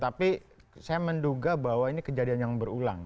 tapi saya menduga bahwa ini kejadian yang berulang